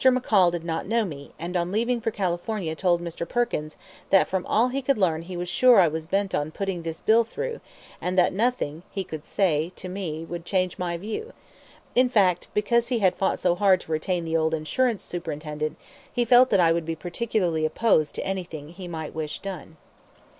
McCall did not know me, and on leaving for California told Mr. Perkins that from all he could learn he was sure I was bent on putting this bill through, and that nothing he could say to me would change my view; in fact, because he had fought so hard to retain the old Insurance Superintendent, he felt that I would be particularly opposed to anything he might wish done.